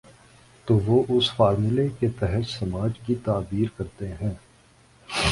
تو وہ اس فارمولے کے تحت سماج کی تعبیر کرتے ہیں۔